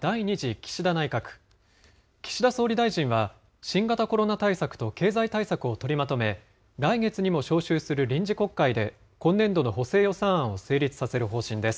岸田総理大臣は、新型コロナ対策と経済対策を取りまとめ、来月にも召集する臨時国会で、今年度の補正予算案を成立させる方針です。